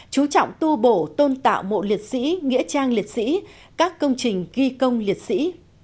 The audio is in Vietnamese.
chú trọng tu bổ tôn tạo mộ liệt sĩ nghĩa trang liệt sĩ các công trình ghi công liệt sĩ